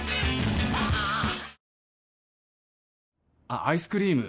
あっアイスクリーム